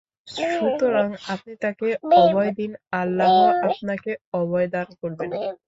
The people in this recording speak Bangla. সুতরাং আপনি তাকে অভয় দিন, আল্লাহ আপনাকে অভয় দান করবেন।